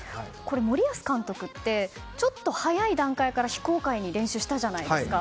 森保監督ってちょっと早い段階から非公開で練習したじゃないですか。